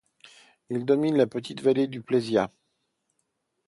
Il domine la petite vallée de Plaisia.